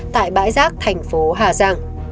tại bãi giác thành phố hà giang